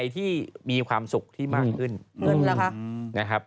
ที่มีความสุขที่มากขึ้น